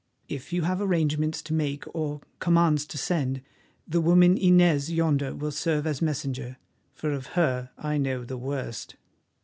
If you have arrangements to make or commands to send, the woman Inez yonder will serve as messenger, for of her I know the worst."